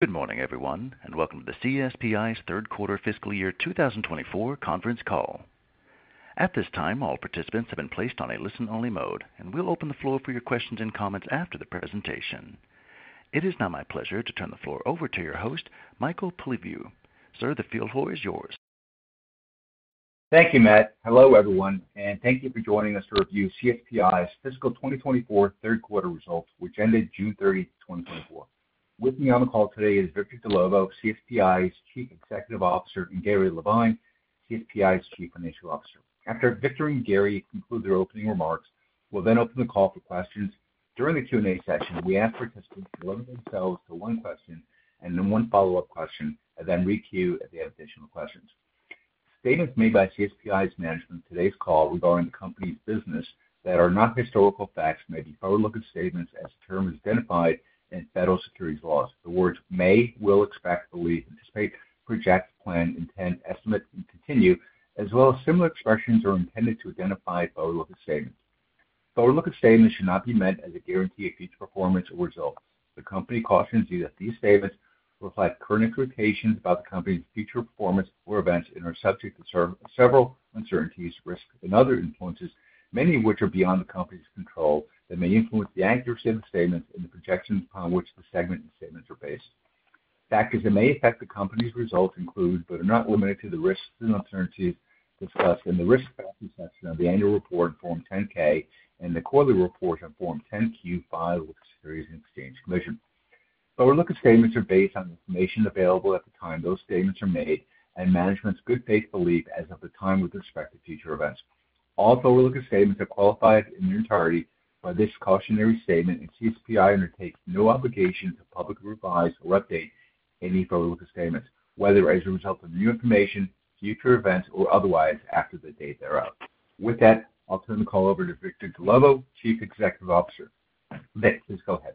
Good morning, everyone, and welcome to the CSPI's Third Quarter FY 2024 Conference Call. At this time, all participants have been placed on a listen-only mode, and we'll open the floor for your questions and comments after the presentation. It is now my pleasure to turn the floor over to your host, Michael Polyviou. Sir, the floor is yours. Thank you, Matt. Hello, everyone, and thank you for joining us to review CSPI's fiscal 2024 third quarter results, which ended June 30, 2024. With me on the call today is Victor Dellovo, CSPI's Chief Executive Officer, and Gary Levine, CSPI's Chief Financial Officer. After Victor and Gary conclude their opening remarks, we'll then open the call for questions. During the Q&A session, we ask participants to limit themselves to one question and then one follow-up question, and then requeue if they have additional questions. Statements made by CSPI's management in today's call regarding the company's business that are not historical facts may be forward-looking statements as the term is identified in federal securities laws. The words may, will, expect, believe, anticipate, project, plan, intend, estimate, and continue, as well as similar expressions, are intended to identify forward-looking statements. Forward-looking statements should not be meant as a guarantee of future performance or results. The company cautions you that these statements reflect current expectations about the company's future performance or events and are subject to several uncertainties, risks, and other influences, many of which are beyond the company's control, that may influence the accuracy of the statements and the projections upon which the segment and statements are based. Factors that may affect the company's results include, but are not limited to, the risks and alternatives discussed in the risk factors section of the annual report, Form 10-K and the quarterly report on Form 10-Q, filed with the Securities and Exchange Commission. Forward-looking statements are based on information available at the time those statements are made and management's good faith belief as of the time with respect to future events. All forward-looking statements are qualified in their entirety by this cautionary statement, and CSPI undertakes no obligation to publicly revise or update any forward-looking statements, whether as a result of new information, future events, or otherwise after the date thereof. With that, I'll turn the call over to Victor Dellovo, Chief Executive Officer. Vic, please go ahead.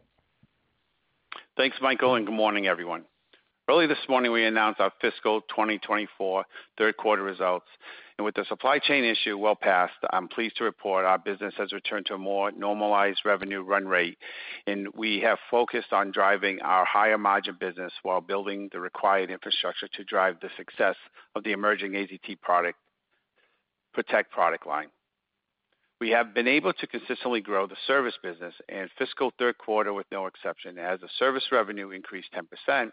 Thanks, Michael, and good morning, everyone. Early this morning, we announced our fiscal 2024 third quarter results, and with the supply chain issue well past, I'm pleased to report our business has returned to a more normalized revenue run rate, and we have focused on driving our higher margin business while building the required infrastructure to drive the success of the AZT PROTECT product line. We have been able to consistently grow the service business and fiscal third quarter with no exception, as the service revenue increased 10%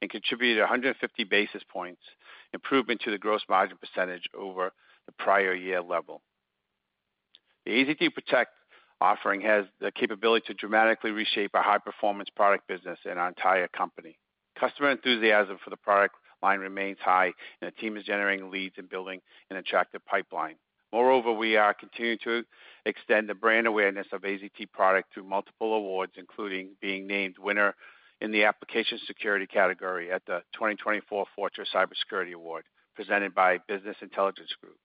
and contributed 150 basis points improvement to the gross margin percentage over the prior year level. The AZT PROTECT offering has the capability to dramatically reshape our high-performance product business and our entire company. Customer enthusiasm for the product line remains high, and the team is generating leads and building an attractive pipeline. Moreover, we are continuing to extend the brand awareness AZT PROTECT through multiple awards, including being named winner in the Application Security category at the 2024 Fortress Cybersecurity Award, presented by Business Intelligence Group.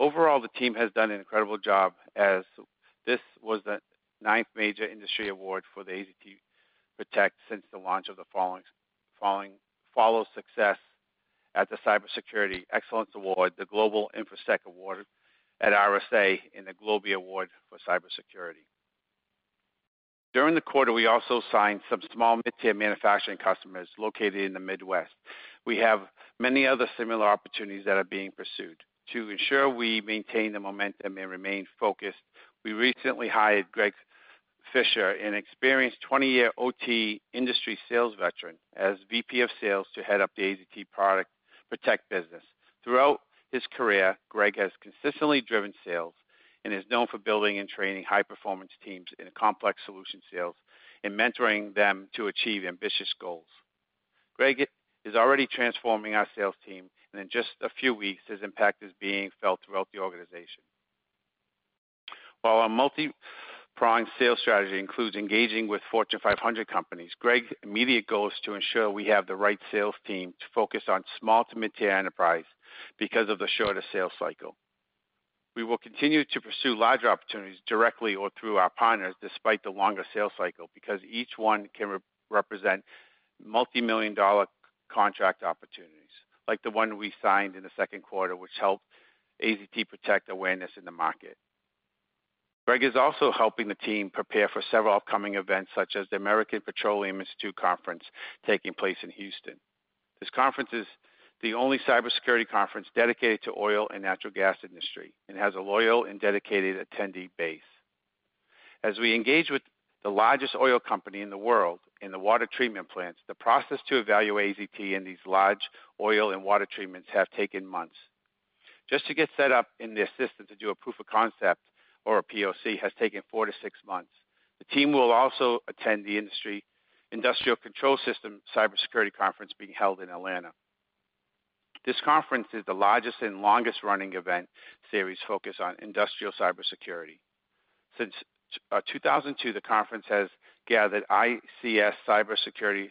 Overall, the team has done an incredible job as this was the ninth major industry award for the AZT PROTECT since the launch of the following the success at the Cybersecurity Excellence Award, the Global InfoSec Award at RSA and the Globee Award for cybersecurity. During the quarter, we also signed some small mid-tier manufacturing customers located in the Midwest. We have many other similar opportunities that are being pursued. To ensure we maintain the momentum and remain focused, we recently hired Greg Fisher, an experienced 20-year OT industry sales veteran, as VP of Sales, to head up AZT PROTECT business. Throughout his career, Greg has consistently driven sales and is known for building and training high-performance teams in complex solution sales and mentoring them to achieve ambitious goals. Greg is already transforming our sales team, and in just a few weeks, his impact is being felt throughout the organization. While our multi-pronged sales strategy includes engaging with Fortune 500 companies, Greg's immediate goal is to ensure we have the right sales team to focus on small to mid-tier enterprise because of the shorter sales cycle. We will continue to pursue larger opportunities directly or through our partners, despite the longer sales cycle, because each one can represent multimillion-dollar contract opportunities, like the one we signed in the second quarter, which helped AZT PROTECT awareness in the market. Greg is also helping the team prepare for several upcoming events, such as the American Petroleum Institute conference taking place in Houston. This conference is the only cybersecurity conference dedicated to oil and natural gas industry and has a loyal and dedicated attendee base. As we engage with the largest oil company in the world in the water treatment plants, the process to evaluate AZT in these large oil and water treatments have taken months. Just to get set up in the system to do a proof of concept or a POC, has taken 4-6 months. The team will also attend the Industrial Control System Cybersecurity Conference being held in Atlanta. This conference is the largest and longest-running event series focused on industrial cybersecurity. Since 2002, the conference has gathered ICS cybersecurity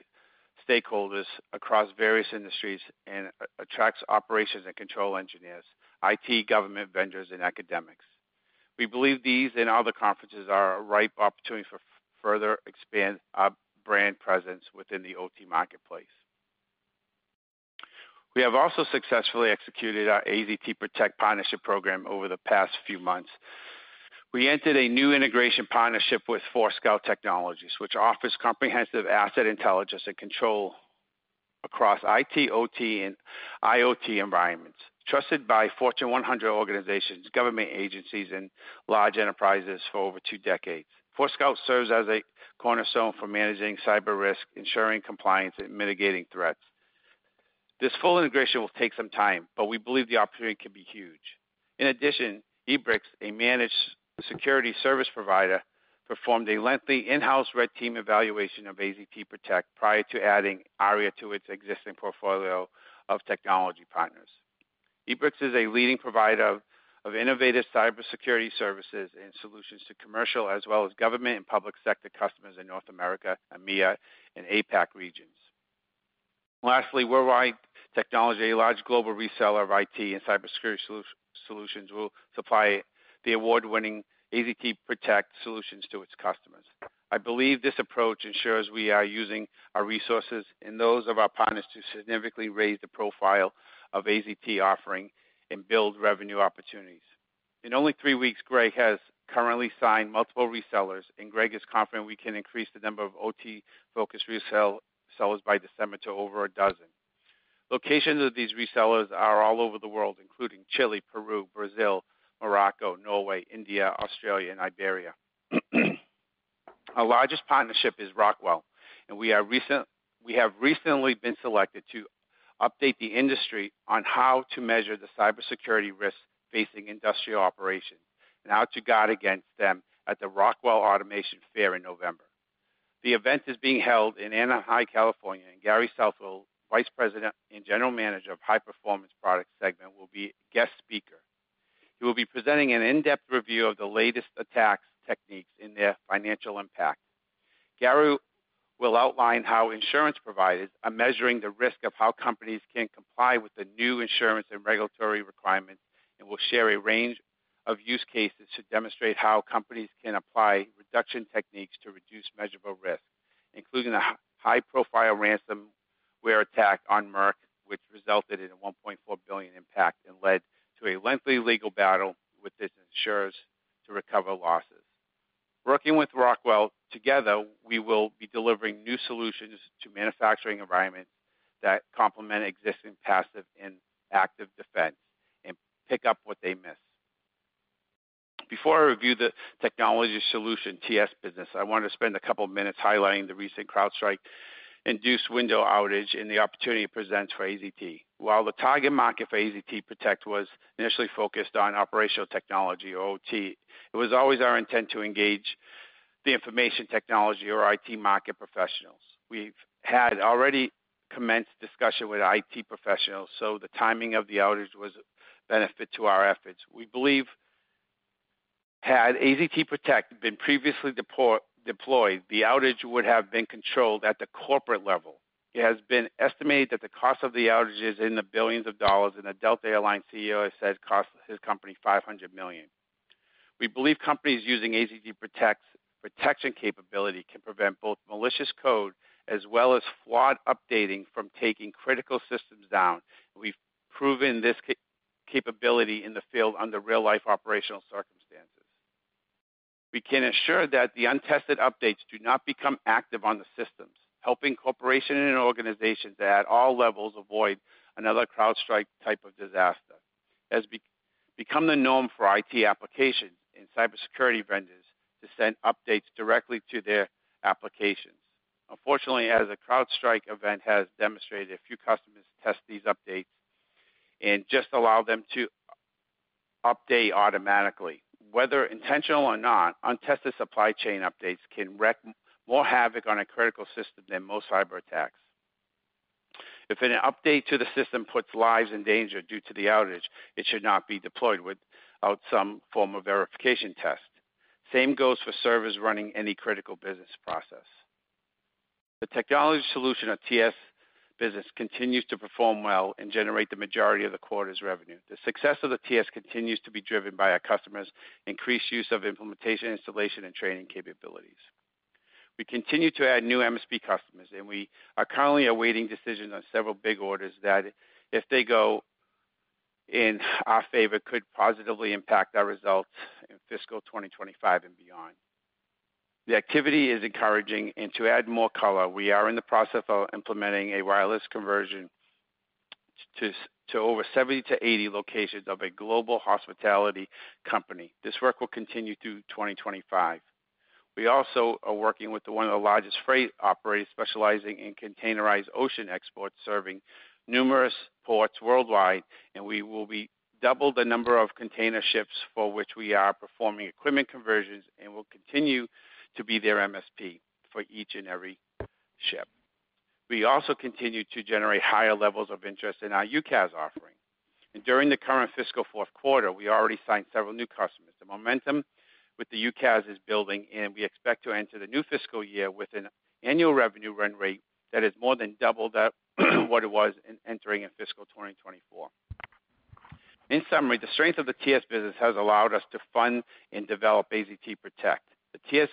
stakeholders across various industries and attracts operations and control engineers, IT, government vendors, and academics. We believe these and other conferences are a ripe opportunity for further expand our brand presence within the OT marketplace. We have also successfully executed our AZT PROTECT partnership program over the past few months. We entered a new integration partnership with Forescout Technologies, which offers comprehensive asset intelligence and control across IT, OT, and IoT environments. Trusted by Fortune 100 organizations, government agencies, and large enterprises for over two decades. Forescout serves as a cornerstone for managing cyber risk, ensuring compliance, and mitigating threats. This full integration will take some time, but we believe the opportunity can be huge. In addition, Ebryx, a managed security service provider, performed a lengthy in-house red team evaluation of AZT PROTECT prior to adding ARIA to its existing portfolio of technology partners. Ebryx is a leading provider of innovative cybersecurity services and solutions to commercial, as well as government and public sector customers in North America, EMEA, and APAC regions. Lastly, World Wide Technology, a large global reseller of IT and cybersecurity solutions, will supply the award-winning AZT PROTECT solutions to its customers. I believe this approach ensures we are using our resources and those of our partners to significantly raise the profile of AZT offering and build revenue opportunities. In only three weeks, Greg has currently signed multiple resellers, and Greg is confident we can increase the number of OT-focused resellers by December to over a dozen. Locations of these resellers are all over the world, including Chile, Peru, Brazil, Morocco, Norway, India, Australia, and Iberia. Our largest partnership is Rockwell, and we have recently been selected to update the industry on how to measure the cybersecurity risks facing industrial operations and how to guard against them at the Rockwell Automation Fair in November. The event is being held in Anaheim, California, and Gary Southwell, Vice President and General Manager of High Performance Products segment, will be a guest speaker. He will be presenting an in-depth review of the latest attacks, techniques and their financial impact. Gary will outline how insurance providers are measuring the risk of how companies can comply with the new insurance and regulatory requirements, and will share a range of use cases to demonstrate how companies can apply reduction techniques to reduce measurable risk, including a high-profile ransomware attack on Merck, which resulted in a $1.4 billion impact and led to a lengthy legal battle with its insurers to recover losses. Working with Rockwell, together, we will be delivering new solutions to manufacturing environments that complement existing passive and active defense and pick up what they miss. Before I review the Technology Solutions, TS business, I want to spend a couple of minutes highlighting the recent CrowdStrike-induced Windows outage and the opportunity it presents for AZT. While the target market for AZT PROTECT was initially focused on operational technology, or OT, it was always our intent to engage the information technology, or IT, market professionals. We've had already commenced discussion with IT professionals, so the timing of the outage was a benefit to our efforts. We believe, had AZT PROTECT been previously deployed, the outage would have been controlled at the corporate level. It has been estimated that the cost of the outage is in the $ billions, and the Delta Air Lines CEO has said it cost his company $500 million. We believe companies using AZT PROTECT's protection capability can prevent both malicious code as well as flawed updating from taking critical systems down. We've proven this capability in the field under real-life operational circumstances. We can ensure that the untested updates do not become active on the systems, helping corporations and organizations at all levels avoid another CrowdStrike type of disaster. As become the norm for IT applications and cybersecurity vendors to send updates directly to their applications. Unfortunately, as the CrowdStrike event has demonstrated, a few customers test these updates and just allow them to update automatically. Whether intentional or not, untested supply chain updates can wreak more havoc on a critical system than most cyber attacks. If an update to the system puts lives in danger due to the outage, it should not be deployed without some form of verification test. Same goes for servers running any critical business process. The technology solution, or TS business, continues to perform well and generate the majority of the quarter's revenue. The success of the TS continues to be driven by our customers' increased use of implementation, installation, and training capabilities. We continue to add new MSP customers, and we are currently awaiting decisions on several big orders that, if they go in our favor, could positively impact our results in fiscal 2025 and beyond. The activity is encouraging, and to add more color, we are in the process of implementing a wireless conversion to over 70-80 locations of a global hospitality company. This work will continue through 2025. We also are working with one of the largest freight operators specializing in containerized ocean exports, serving numerous ports worldwide, and we will be double the number of container ships for which we are performing equipment conversions and will continue to be their MSP for each and every ship. We also continue to generate higher levels of interest in our UCaaS offering, and during the current fiscal fourth quarter, we already signed several new customers. The momentum with the UCaaS is building, and we expect to enter the new fiscal year with an annual revenue run rate that is more than double that, what it was in entering in fiscal 2024. In summary, the strength of the TS business has allowed us to fund and develop AZT PROTECT. The TS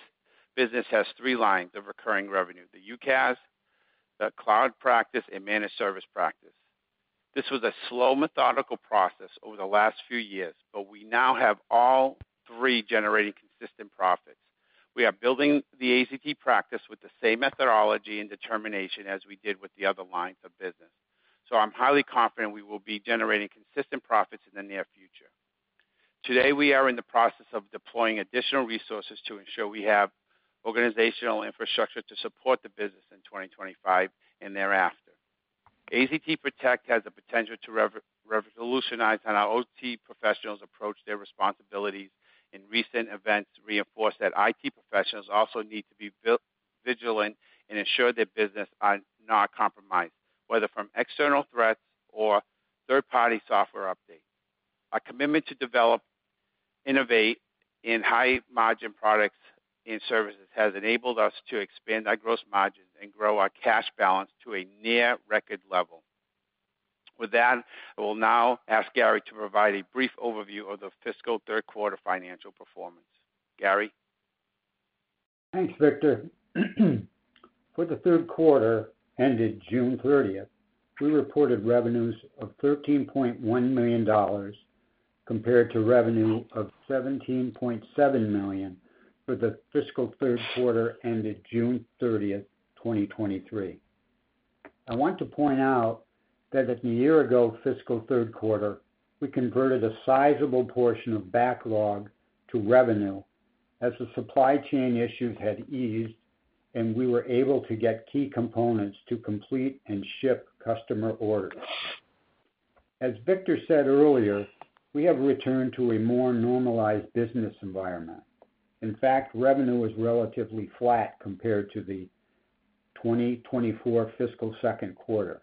business has three lines of recurring revenue, the UCaaS, the cloud practice, and managed service practice. This was a slow, methodical process over the last few years, but we now have all three generating consistent profits. We are building the AZT practice with the same methodology and determination as we did with the other lines of business. So I'm highly confident we will be generating consistent profits in the near future. Today, we are in the process of deploying additional resources to ensure we have organizational infrastructure to support the business in 2025 and thereafter. AZT PROTECT has the potential to revolutionize how our OT professionals approach their responsibilities, and recent events reinforce that IT professionals also need to be vigilant and ensure their business are not compromised, whether from external threats or third-party software updates. Our commitment to develop, innovate in high-margin products and services has enabled us to expand our gross margins and grow our cash balance to a near-record level. With that, I will now ask Gary to provide a brief overview of the fiscal third quarter financial performance. Gary? Thanks, Victor. For the third quarter, ended June 30, we reported revenues of $13.1 million, compared to revenue of $17.7 million for the fiscal third quarter ended June 30, 2023. I want to point out that at the year-ago fiscal third quarter, we converted a sizable portion of backlog to revenue as the supply chain issues had eased, and we were able to get key components to complete and ship customer orders. As Victor said earlier, we have returned to a more normalized business environment. In fact, revenue was relatively flat compared to the 2024 fiscal second quarter.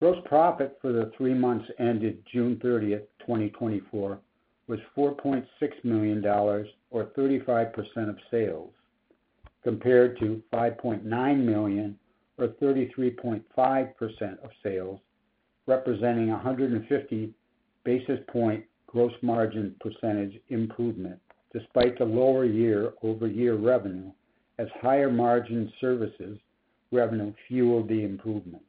Gross profit for the three months ended June 30, 2024, was $4.6 million, or 35% of sales, compared to $5.9 million, or 33.5% of sales, representing a 150 basis point gross margin percentage improvement, despite the lower year-over-year revenue, as higher-margin services revenue fueled the improvement.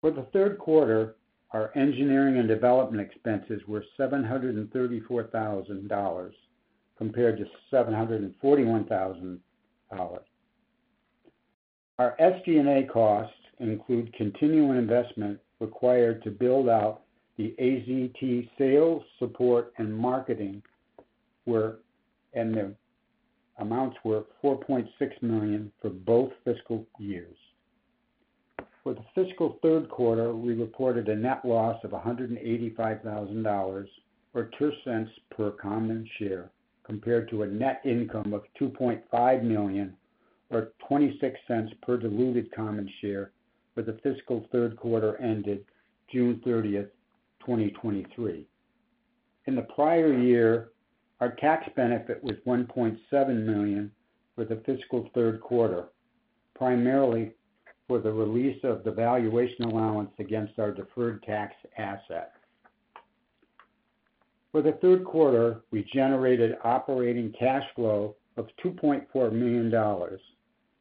For the third quarter, our engineering and development expenses were $734,000, compared to $741,000. Our SG&A costs include continuing investment required to build out the AZT sales, support, and marketing work, and the amounts were $4.6 million for both fiscal years. For the fiscal third quarter, we reported a net loss of $185,000, or $0.02 per common share, compared to a net income of $2.5 million, or $0.26 per diluted common share for the fiscal third quarter ended June 30, 2023. In the prior year, our tax benefit was $1.7 million for the fiscal third quarter, primarily for the release of the valuation allowance against our deferred tax asset. For the third quarter, we generated operating cash flow of $2.4 million,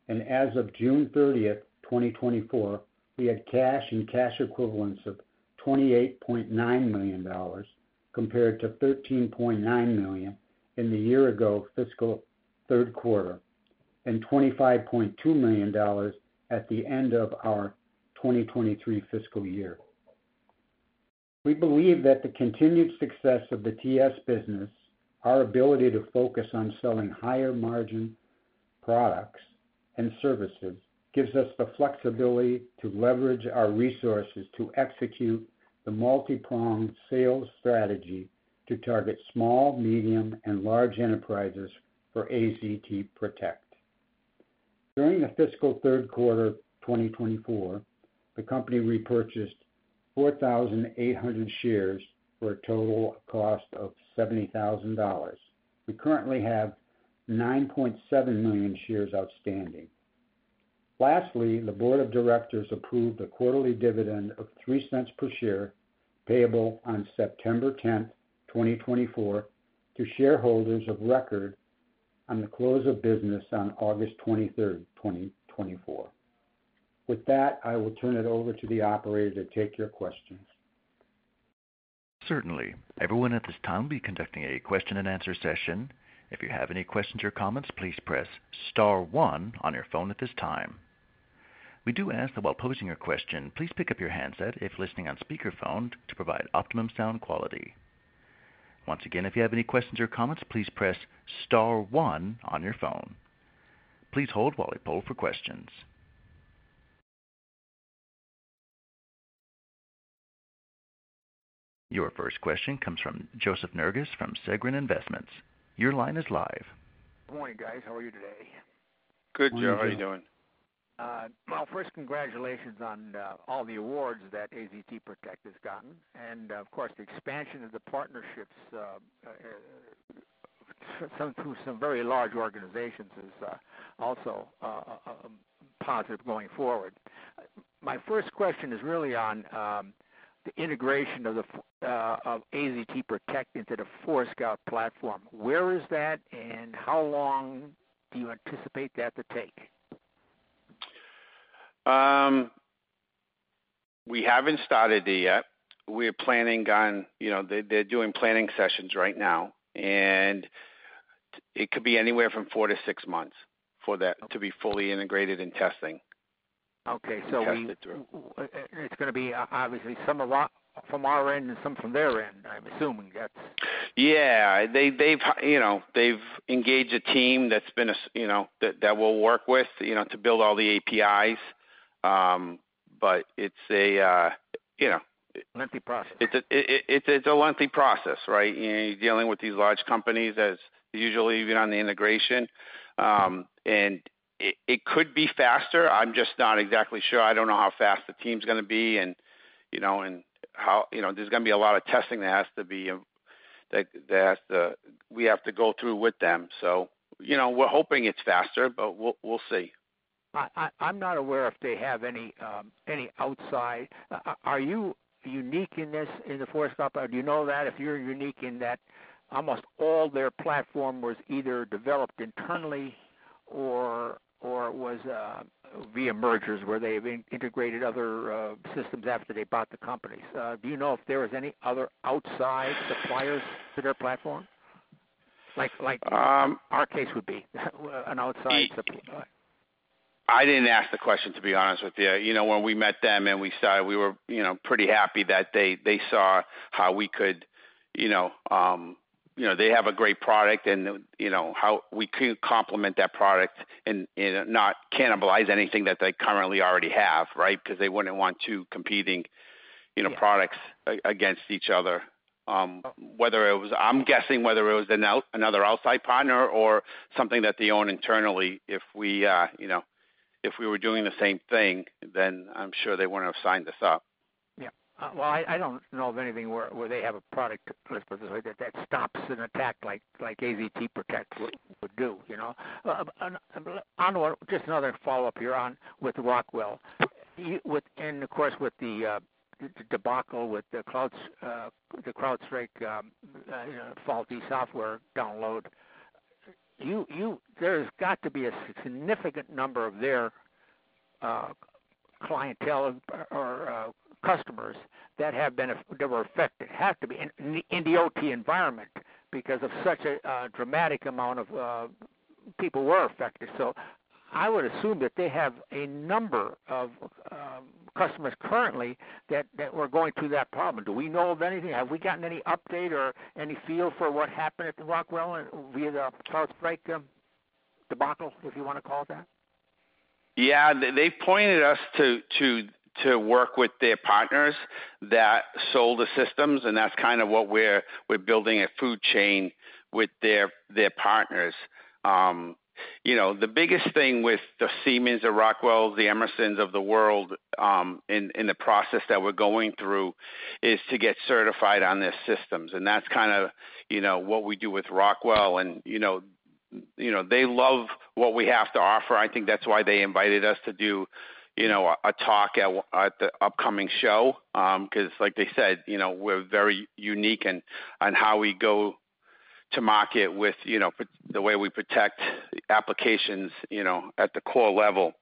and as of June 30, 2024, we had cash and cash equivalents of $28.9 million, compared to $13.9 million in the year-ago fiscal third quarter, and $25.2 million at the end of our 2023 fiscal year. We believe that the continued success of the TS business, our ability to focus on selling higher-margin products and services, gives us the flexibility to leverage our resources to execute the multipronged sales strategy to target small, medium, and large enterprises for AZT PROTECT. During the fiscal third quarter of 2024, the company repurchased 4,800 shares for a total cost of $70,000. We currently have 9.7 million shares outstanding. Lastly, the board of directors approved a quarterly dividend of $0.03 per share, payable on September tenth, 2024, to shareholders of record on the close of business on August twenty-third, 2024. With that, I will turn it over to the operator to take your questions. Certainly. Everyone at this time, we'll be conducting a question-and-answer session. If you have any questions or comments, please press star one on your phone at this time. We do ask that while posing your question, please pick up your handset if listening on speakerphone, to provide optimum sound quality. Once again, if you have any questions or comments, please press star one on your phone. Please hold while we poll for questions. Your first question comes from Joseph Nerges from Segren Investments. Your line is live. Good morning, guys. How are you today? Good, Joe. How are you doing? We're good. Well, first, congratulations on all the awards that AZT PROTECT has gotten, and, of course, the expansion of the partnerships some very large organizations is also positive going forward. My first question is really on the integration of AZT PROTECT into the Forescout platform. Where is that, and how long do you anticipate that to take? We haven't started it yet. We're planning on, you know, they, they're doing planning sessions right now, and it could be anywhere from 4-6 months for that to be fully integrated and testing. Okay, so we- Tested through. It's gonna be obviously some from our, from our end, and some from their end, I'm assuming. That's- Yeah, they've engaged a team that we'll work with, you know, to build all the APIs. But it's a, you know- Lengthy process. It's a lengthy process, right? You're dealing with these large companies as usual even on the integration. It could be faster. I'm just not exactly sure. I don't know how fast the team's gonna be, and, you know, and how... You know, there's gonna be a lot of testing that has to be that we have to go through with them. So, you know, we're hoping it's faster, but we'll see. I'm not aware if they have any, any outside... Are you unique in this, in the Forescout? Do you know that if you're unique in that almost all their platform was either developed internally or, or was, via mergers, where they've integrated other, systems after they bought the companies? Do you know if there was any other outside suppliers to their platform? Like, like, our case would be, an outside supplier. I didn't ask the question, to be honest with you. You know, when we met them, and we started, we were, you know, pretty happy that they, they saw how we could, you know, you know, they have a great product, and, you know, how we could complement that product and, and not cannibalize anything that they currently already have, right? Because they wouldn't want two competing, you know, products against each other. Whether it was... I'm guessing whether it was about another outside partner or something that they own internally, if we, you know, if we were doing the same thing, then I'm sure they wouldn't have signed us up. Yeah. Well, I don't know of anything where they have a product that stops an attack like AZT PROTECT would do, you know? Just another follow-up here on with Rockwell. With, and of course, with the debacle with the CrowdStrike, you know, faulty software download. There's got to be a significant number of their clientele or customers that were affected, have to be in the OT environment because of such a dramatic amount of people were affected. So I would assume that they have a number of customers currently that were going through that problem. Do we know of anything? Have we gotten any update or any feel for what happened at the Rockwell and via the CrowdStrike, debacle, if you want to call it that? Yeah. They pointed us to work with their partners that sold the systems, and that's kind of what we're building a food chain with their partners. You know, the biggest thing with the Siemens, the Rockwell, the Emersons of the world, in the process that we're going through is to get certified on their systems, and that's kind of what we do with Rockwell and, you know, they love what we have to offer. I think that's why they invited us to do a talk at the upcoming show. Because like they said, you know, we're very unique in how we go to market with the way we protect applications, you know, at the core level.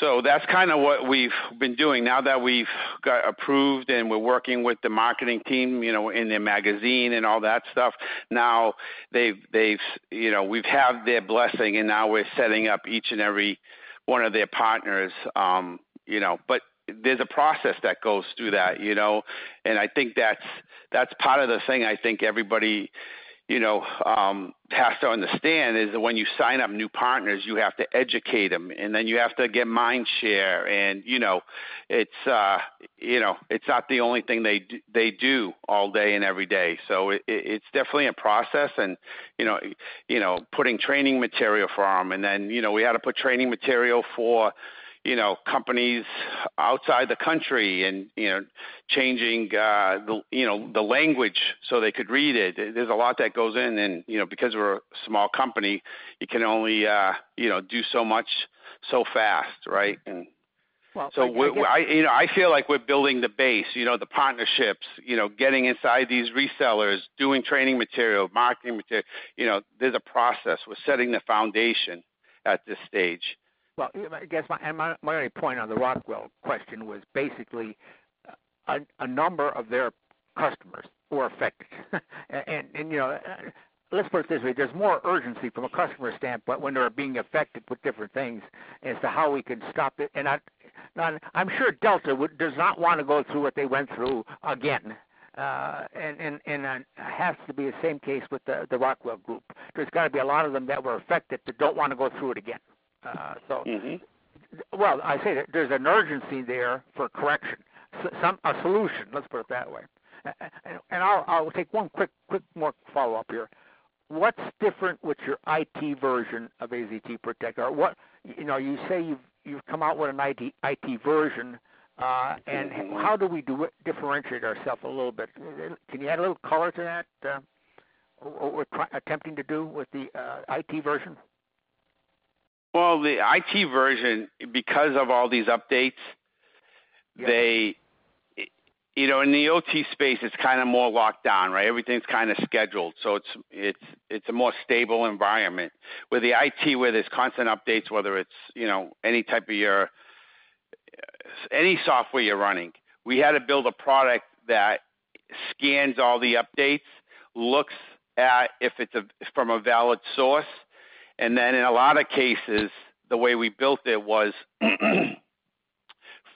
So that's kind of what we've been doing. Now that we've got approved, and we're working with the marketing team, you know, in their magazine and all that stuff. Now, they've, you know, we've had their blessing, and now we're setting up each and every one of their partners, you know, but there's a process that goes through that, you know, and I think that's part of the thing I think everybody, you know, has to understand, is that when you sign up new partners, you have to educate them, and then you have to get mind share. And, you know, it's, you know, it's not the only thing they do all day and every day. So it's definitely a process and, you know, putting training material for them. And then, you know, we had to put training material for, you know, companies outside the country and, you know, changing, you know, the language so they could read it. There's a lot that goes in and, you know, because we're a small company, you can only, you know, do so much, so fast, right? Well- So, I, you know, I feel like we're building the base, you know, the partnerships, you know, getting inside these resellers, doing training material, marketing material. You know, there's a process. We're setting the foundation at this stage. Well, I guess my only point on the Rockwell question was basically a number of their customers were affected. And you know, let's put it this way, there's more urgency from a customer standpoint when they're being affected with different things as to how we can stop it. And I'm sure Delta does not want to go through what they went through again, and it has to be the same case with the Rockwell group. There's got to be a lot of them that were affected that don't want to go through it again. So- Well, I say there's an urgency there for correction, some, a solution, let's put it that way. And I'll take one quick more follow-up here. What's different with your IT version of AZT PROTECT? Or what... You know, you say you've come out with an IT version, and how do we do it, differentiate ourselves a little bit? Can you add a little color to that, what we're attempting to do with the IT version? Well, the IT version, because of all these updates, they- you know, in the OT space, it's kind of more locked down, right? Everything's kind of scheduled, so it's a more stable environment. With the IT, where there's constant updates, whether it's, you know, any type of your... Any software you're running, we had to build a product that scans all the updates, looks at if it's from a valid source, and then in a lot of cases, the way we built it was,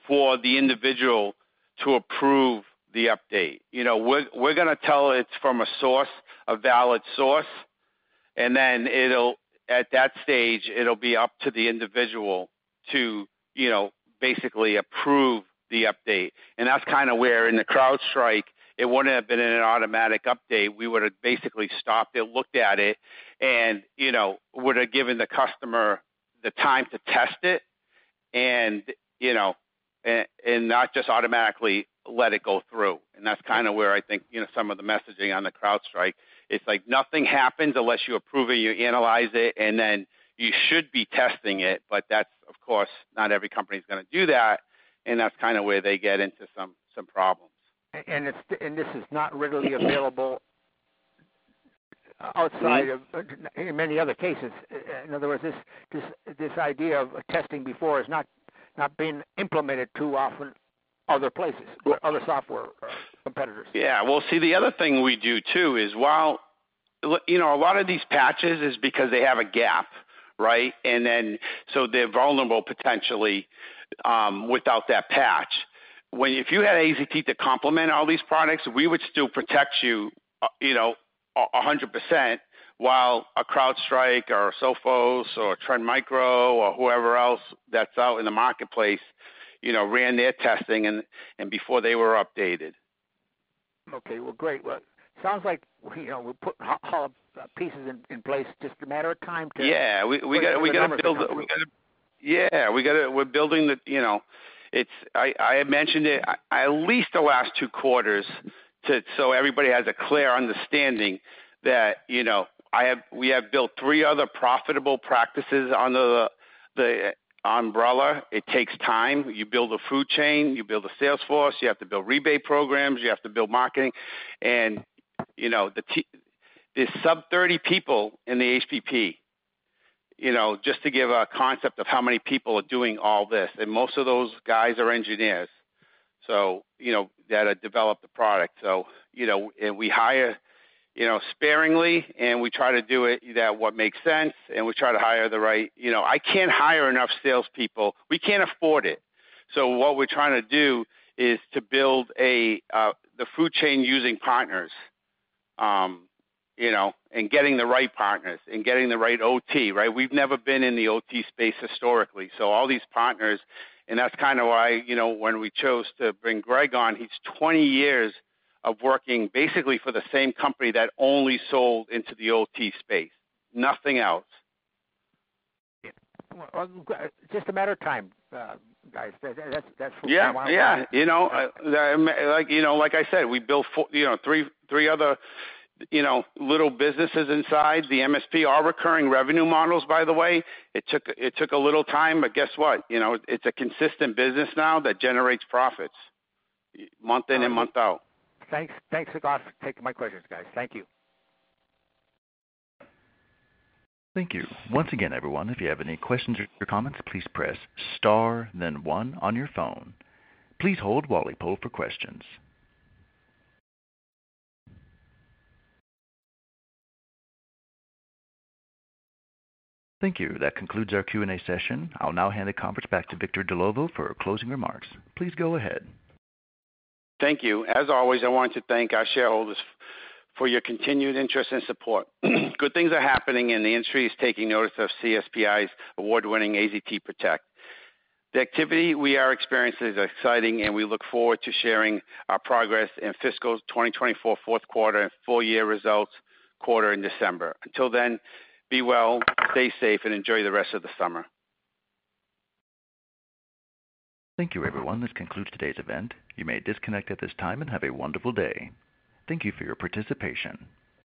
for the individual to approve the update. You know, we're gonna tell it's from a source, a valid source, and then it'll... At that stage, it'll be up to the individual to, you know, basically approve the update. And that's kind of where in the CrowdStrike, it wouldn't have been in an automatic update. We would've basically stopped it, looked at it, and, you know, would have given the customer the time to test it and, you know, and not just automatically let it go through. And that's kind of where I think, you know, some of the messaging on the CrowdStrike; it's like nothing happens unless you approve it, you analyze it, and then you should be testing it. But that's, of course, not every company is gonna do that, and that's kind of where they get into some problems. and this is not readily available outside of in many other cases. In other words, this idea of testing before is not being implemented too often, other places. Right. or other software, competitors. Yeah. Well, see, the other thing we do, too, is while you know, a lot of these patches is because they have a gap, right? And then, so they're vulnerable potentially without that patch. If you had AZT to complement all these products, we would still protect you, you know, 100%, while a CrowdStrike or a Sophos or a Trend Micro or whoever else that's out in the marketplace, you know, ran their testing and before they were updated. Okay. Well, great. Well, sounds like, you know, we're putting all pieces in place. Just a matter of time to- Yeah. Put it together. We gotta build the... Yeah, we gotta—we're building the, you know, it's... I had mentioned it at least the last two quarters so everybody has a clear understanding that, you know, we have built three other profitable practices on the umbrella. It takes time. You build a food chain, you build a sales force, you have to build rebate programs, you have to build marketing. And, you know, there's sub 30 people in the HPP, you know, just to give a concept of how many people are doing all this, and most of those guys are engineers, so, you know, that have developed the product. So, you know, and we hire, you know, sparingly, and we try to do it that what makes sense, and we try to hire the right... You know, I can't hire enough salespeople. We can't afford it. So what we're trying to do is to build the food chain using partners. You know, and getting the right partners and getting the right OT, right? We've never been in the OT space historically, so all these partners, and that's kind of why, you know, when we chose to bring Greg on, he's 20 years of working basically for the same company that only sold into the OT space, nothing else. Yeah. Well, just a matter of time, guys. That's, that's, that's what I want. Yeah, yeah. You know, like, you know, like I said, we built three other little businesses inside. The MSP are recurring revenue models, by the way. It took a little time, but guess what? You know, it's a consistent business now that generates profits month in and month out. Thanks. Thanks a lot for taking my questions, guys. Thank you. Thank you. Once again, everyone, if you have any questions or comments, please press star then one on your phone. Please hold while we poll for questions. Thank you. That concludes our Q&A session. I'll now hand the conference back to Victor Dellovo for closing remarks. Please go ahead. Thank you. As always, I want to thank our shareholders for your continued interest and support. Good things are happening, and the industry is taking notice of CSPI's award-winning AZT PROTECT. The activity we are experiencing is exciting, and we look forward to sharing our progress in fiscal 2024 fourth quarter and full year results in December. Until then, be well, stay safe, and enjoy the rest of the summer. Thank you, everyone. This concludes today's event. You may disconnect at this time and have a wonderful day. Thank you for your participation.